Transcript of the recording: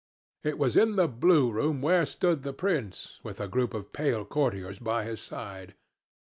It was in the blue room where stood the prince, with a group of pale courtiers by his side.